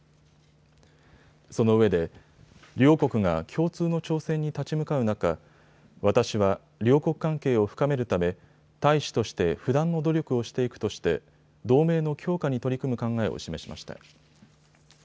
そのうえで両国が共通の挑戦に立ち向かう中、私は両国関係を深めるため大使として不断の努力をしていくとして同盟の強化に取り組む考えを示しました。